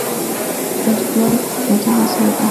دا د دواړو حکومتونو مسؤلیت دی.